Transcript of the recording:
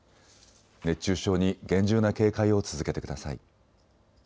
熱中症に厳重な警戒を続けてください。